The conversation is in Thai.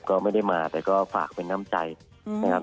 ก็ไม่ได้มาแต่ก็ฝากเป็นความหนังใจนะครับ